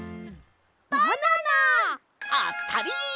バナナ！あったり！